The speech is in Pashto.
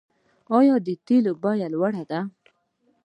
آیا د تیلو بیه لوړه ده؟